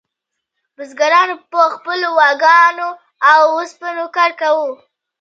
بزګرانو په خپلو غواګانو او اوسپنو کار کاوه.